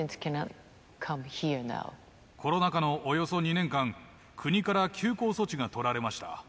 コロナ禍のおよそ２年間、国から休校措置が取られました。